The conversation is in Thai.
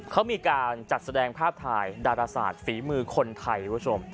เขามีการจัดแสดงภาพถ่ายดาลบราศาสตร์ฝีมือคนไทย